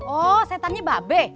oh setannya babe